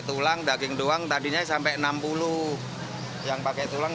kalau daging turun kan penjualan sepi itu karena harga turun